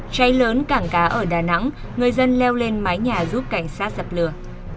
cháy lớn cảng cá ở đà nẵng người dân leo lên mái nhà giúp cảnh sát dập lửa